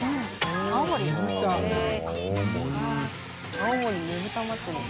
青森ねぶた祭。